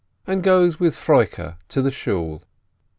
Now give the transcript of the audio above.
— and goes with Froike to the Shool.